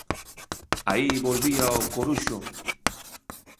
Aí volvía o Coruxo.